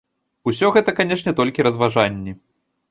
Усё гэта, канешне, толькі разважанні.